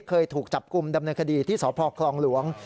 เคยถูกจับกลุ่มดำเนินคดีที่สพคลองหลวง